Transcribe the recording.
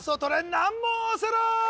難問オセロ！